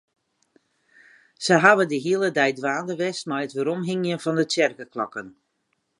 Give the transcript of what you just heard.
Se hawwe de hiele dei dwaande west mei it weromhingjen fan de tsjerkeklokken.